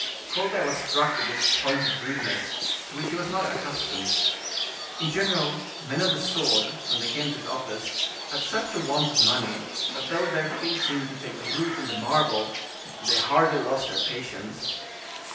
Colbert was struck with this pointed rudeness, to which he was not accustomed. In general, men of the sword, when they came to his office, had such a want of money, that though their feet seemed to take root in the marble, they hardly lost their patience.